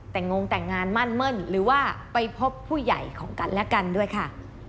แต่งงแต่งงานมั่นเมิ่นหรือว่าไปพบผู้ใหญ่ของกันและกันด้วยค่ะ